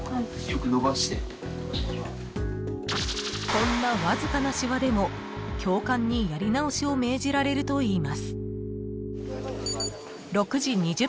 ［こんなわずかなシワでも教官にやり直しを命じられるといいます］